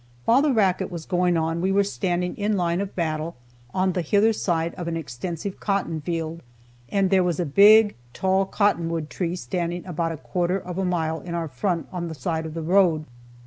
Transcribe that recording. While the racket was going on we were standing in line of battle, on the hither side of an extensive cotton field, and there was a big, tall cottonwood tree standing about a quarter of a mile in our front by the side of the road.